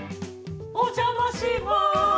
お邪魔します